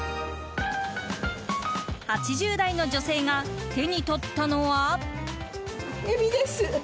８０代の女性が手にとったのは。